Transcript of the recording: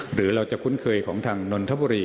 หรือเราจะคุ้นเคยของทางนนทบุรี